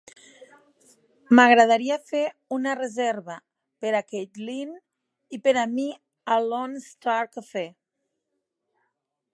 M'agradaria fer una reserva per a Kaitlin i per a mi al Lone Star Cafe